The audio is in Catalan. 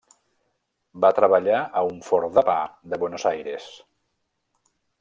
Va treballar a un forn de pa de Buenos Aires.